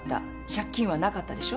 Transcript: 借金はなかったでしょ？